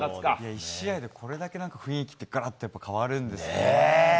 １試合でこれだけ雰囲気ってがらっと変わるんですね。